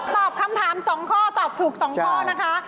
ตอบคำถาม๒ข้อตอบถูก๒ข้อนะคะ